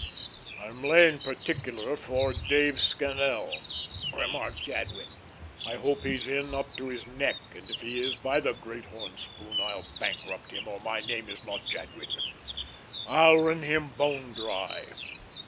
"I'm laying particularly for Dave Scannel," remarked Jadwin. "I hope he's in up to his neck, and if he is, by the Great Horn Spoon, I'll bankrupt him, or my name is not Jadwin! I'll wring him bone dry.